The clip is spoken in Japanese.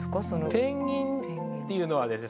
ペンギンっていうのはですね